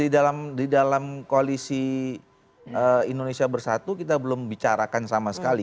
di dalam koalisi indonesia bersatu kita belum bicarakan sama sekali